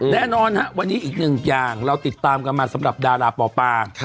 แน่นอนฮะวันนี้อีกหนึ่งอย่างเราติดตามกันมาสำหรับดาราปอปา